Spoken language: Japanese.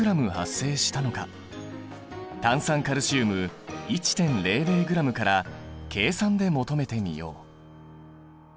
炭酸カルシウム１．００ｇから計算で求めてみよう。